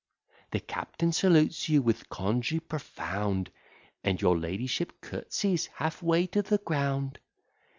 The captain salutes you with congee profound, And your ladyship curtseys half way to the ground.